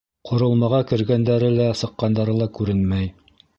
Ҡоролмаға кергәндәре лә, сыҡҡандары ла күренмәй.